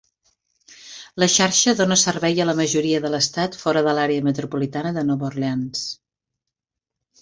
La xarxa dona servei a la majoria de l'Estat fora de l'àrea metropolitana de Nova Orleans.